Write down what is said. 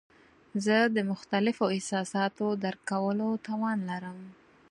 زه د مختلفو احساساتو درک کولو توان لرم.